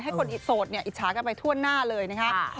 คนโสดเนี่ยอิจฉากันไปทั่วหน้าเลยนะครับ